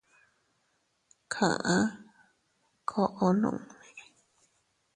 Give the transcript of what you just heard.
Kaá koo nuuni.